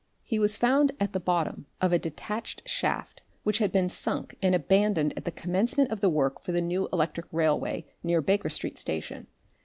He was found at the bottom of a detached shaft which had been sunk and abandoned at the commencement of the work for the new electric railway near Baker Street Station.